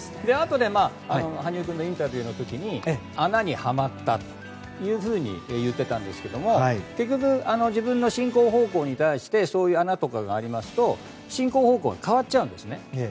あとで羽生君のインタビューの時に穴にはまったというふうに言っていたんですが結局、自分の進行方向に対してそういう穴とかがありますと進行方向が変わっちゃうんですね。